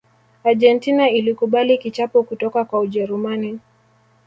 argentina ilikubali kichapo kutoka kwa ujerumani